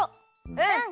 うん！